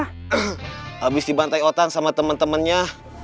habis dibantai otang sama temen temennya